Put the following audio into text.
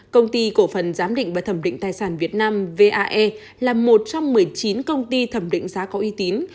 công ty cổ phần giám định và thẩm định tài sản việt nam vae là một trong một mươi chín công ty thẩm định giá có uy tín